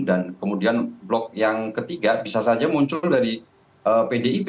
dan kemudian blok yang ketiga bisa saja muncul dari pdip